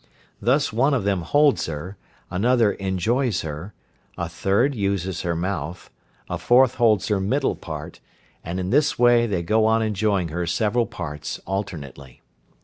Thus one of them holds her, another enjoys her, a third uses her mouth, a fourth holds her middle part, and in this way they go on enjoying her several parts alternately.